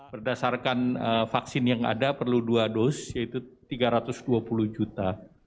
berdasarkan vaksin yang ada perlu dua dos yaitu tiga ratus dua puluh juta